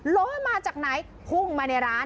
ล้อมาจากในภุ่งมา